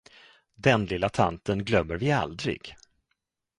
Den lilla tanten glömmer vi aldrig.